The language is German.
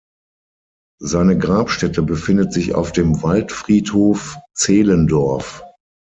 Seine Grabstätte befindet sich auf dem Waldfriedhof Zehlendorf.